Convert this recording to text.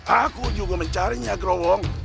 aku juga mencarinya growong